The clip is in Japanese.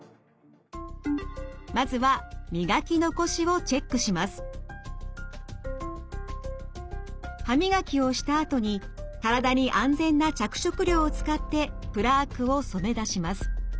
まずは歯磨きをしたあとに体に安全な着色料を使ってプラークを染め出します。